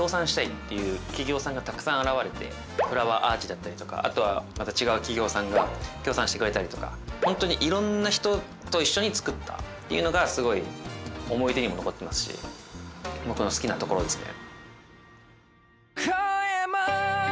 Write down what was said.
フラワーアーチだったりとかあとはまた違う企業さんが協賛してくれたりとか本当にいろんな人と一緒に作ったっていうのがすごい思い出にも残ってますし僕の好きなところですね。